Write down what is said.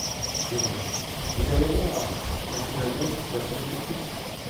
(Sourires.) Vous allez voir, c’est un phénomène qui va se répéter.